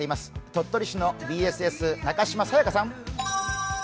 鳥取市のＢＳＳ、中島早也佳さん！